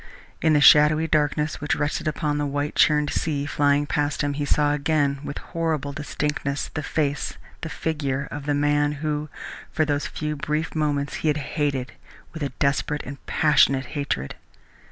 In the shadowy darkness which rested upon the white churned sea flying past him, he saw again, with horrible distinctness, the face, the figure of the man who for those few brief minutes he had hated with a desperate and passionate hatred.